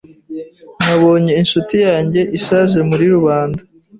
Nabonye inshuti yanjye ishaje muri rubanda.